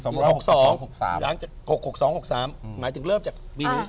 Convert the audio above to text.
หลังจาก๖๖๒๖๓หมายถึงเริ่มจากปีนี้